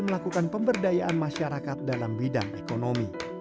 melakukan pemberdayaan masyarakat dalam bidang ekonomi